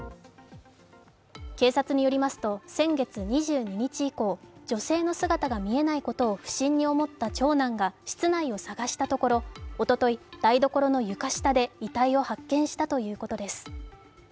警察によりますと先月２２日以降、女性の姿が見えないことを不審に思った長男が室内を探したところ、おととい、台所の床下で遺体を発見したということです。